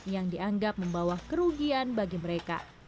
yang dianggap membawa kerugian bagi mereka